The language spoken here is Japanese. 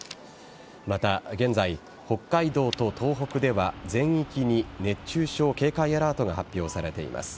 また現在、北海道と東北では全域に、熱中症警戒アラートが発表されています。